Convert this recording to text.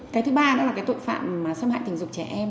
cái thứ ba là tội phạm xâm hại tình dục trẻ em